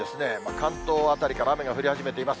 関東辺りから雨が降り始めています。